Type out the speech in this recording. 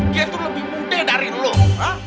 dia tuh lebih muda dari mbak me